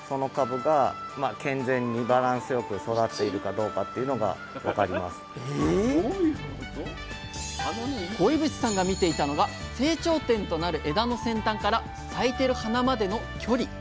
どういうことかというと五位渕さんが見ていたのは成長点となる枝の先端から咲いてる花までの距離。